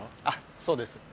そうです。